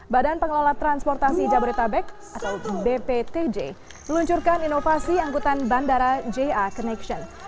badan pengelola transportasi jabodetabek atau bptj meluncurkan inovasi angkutan bandara ja connection